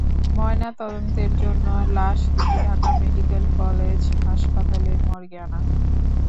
ময়নাতদন্তের জন্য লাশ দুটি ঢাকা মেডিকেল কলেজ হাসপাতালের মর্গে আনা হয়।